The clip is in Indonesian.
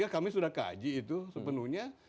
kami sudah kaji itu sepenuhnya